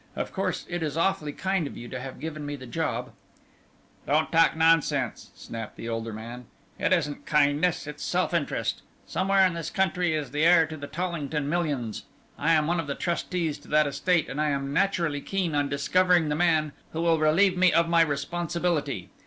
Of course, it is awfully kind of you to have given me the job " "Don't talk nonsense," snapped the older man. "It isn't kindness it's self interest. Somewhere in this country is the heir to the Tollington millions. I am one of the trustees to that estate and I am naturally keen on discovering the man who will relieve me of my responsibility.